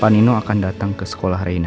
pang inuh akan datang ke sekolah reina